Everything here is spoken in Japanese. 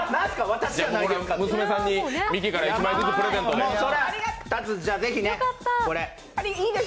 娘さんに、ミキから１枚ずつプレゼントで。